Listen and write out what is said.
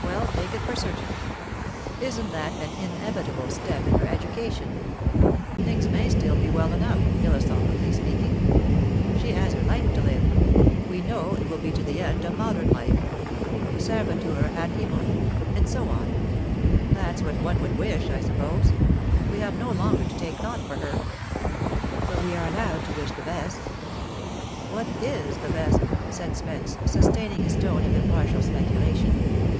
"Well, take it for certain. Isn't that an inevitable step in her education? Things may still be well enough, philosophically speaking. She has her life to live we know it will be to the end a modern life. Servetur ad imum and so on; that's what one would wish, I suppose? We have no longer to take thought for her." "But we are allowed to wish the best." "What is the best?" said Spenee, sustaining his tone of impartial speculation.